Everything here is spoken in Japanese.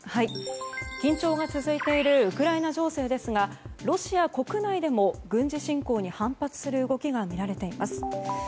緊張が続いているウクライナ情勢ですがロシア国内でも軍事侵攻に反発する動きがみられています。